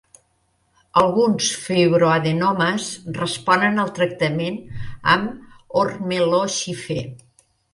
Alguns fibroadenomes responen al tractament amb ormeloxifè.